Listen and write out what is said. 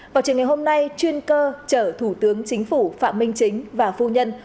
vào trường ngày hôm nay chuyên cơ chở thủ tướng chính phủ phạm minh chính và phu nhân